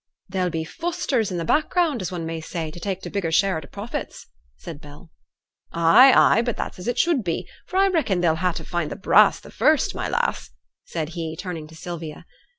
'There'll be Fosters i' th' background, as one may say, to take t' biggest share on t' profits,' said Bell. 'Ay, ay, that's but as it should be, for I reckon they'll ha' to find t' brass the first, my lass!' said he, turning to Sylvia.